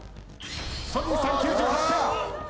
ソニンさん９８点。